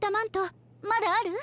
まだある？